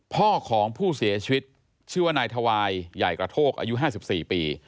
พ่อของผู้เสียชีวิตชื่อว่านายทวายใหญ่กระโทกอายุ๕๔ปี